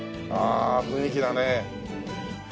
ああ雰囲気だね。